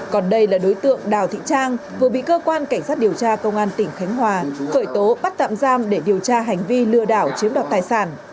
còn đây là đối tượng đào thị trang vừa bị cơ quan cảnh sát điều tra công an tỉnh khánh hòa khởi tố bắt tạm giam để điều tra hành vi lừa đảo chiếm đoạt tài sản